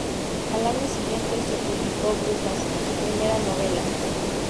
Al año siguiente se publicó "Brujas", su primera novela.